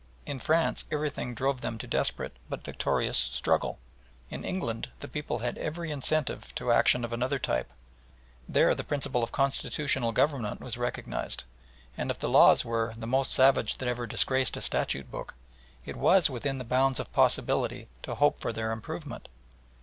In France everything drove them to desperate but victorious struggle. In England the people had every incentive to action of another type. There the principle of constitutional government was recognised, and if the laws were "the most savage that ever disgraced a statute book" it was within the bounds of possibility to hope for their improvement.